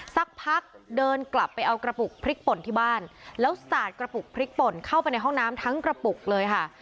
สักพักเดินกลับไปเอากระปุกพริกป่นที่บ้านแล้วสาดกระปุกพริกป่นเข้าไปในห้องน้ำทั้งกระปุกเลยค่ะ